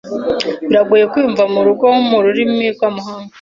Biragoye kwiyumva murugo mururimi rwamahanga.